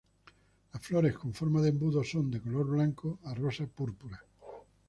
Las flores con forma de embudo son de color blanco a rosa púrpura.